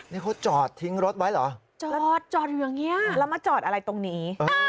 นี่เขาจอดทิ้งรถไว้เหรอจอดจอดอยู่อย่างนี้แล้วมาจอดอะไรตรงนี้